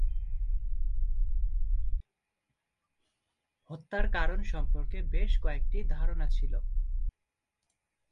হত্যার কারণ সম্পর্কে বেশ কয়েকটি ধারণা ছিল।